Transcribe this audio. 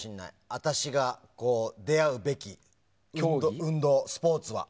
私が出会うべき運動、スポーツは。